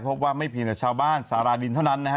พวกว่าไม่ผิดกับชาวบ้านสาระดินเท่านั้นนะฮะ